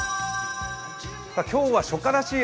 今日は初夏らしい